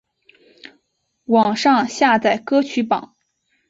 网上下载歌曲榜